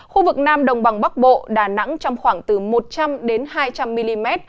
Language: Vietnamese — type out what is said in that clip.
khu vực nam đồng bằng bắc bộ đà nẵng trong khoảng từ một trăm linh hai trăm linh mm